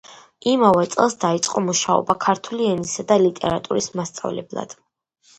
იმავე წელს დაიწყო მუშაობა ქართული ენისა და ლიტერატურის მასწავლებლად.